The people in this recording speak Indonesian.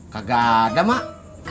gak ada mak